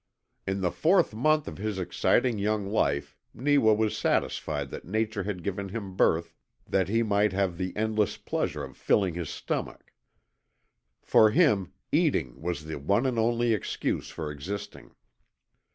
In the fourth month of his exciting young life Neewa was satisfied that Nature had given him birth that he might have the endless pleasure of filling his stomach. For him, eating was the one and only excuse for existing.